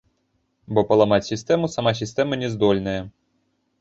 Бо паламаць сістэму сама сістэма не здольная.